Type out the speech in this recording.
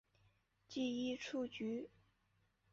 记一出局。